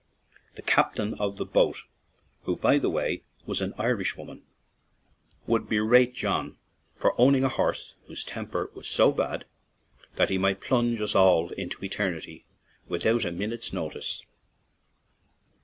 The captain of the boat (who, by the way, was an Irish woman) would berate John for owning a horse " whose timper was so bad that he might plounge us all into etarnity with out a minit's notice!"